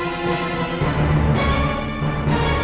ambillah semua untukmu